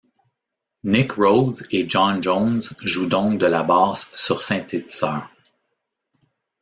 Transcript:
Nick Rhodes et John Jones jouent donc de la basse sur synthétiseurs.